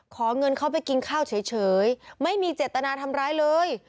ขอเงินเขาไปกินข้าวเฉยไม่มีเจตนาทำร้ายเลย